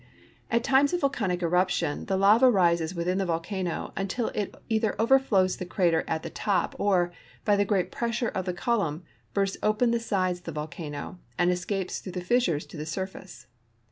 At times of volcanic eruption the lava rises within the volcano until it either overtlows the crater at the toj) or, by the great pressure of the column, bursts open the sides of the volcano and escapes tbrough the fissure to the surface.